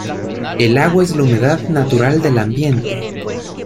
El agua es la humedad natural del ambiente.